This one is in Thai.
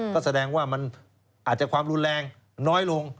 ก็แสดงว่ามันอาจจะความรุนแรงน้อยลง